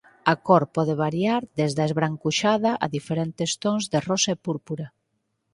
A cor pode variar desde a esbrancuxada a diferentes tons de rosa e púrpura.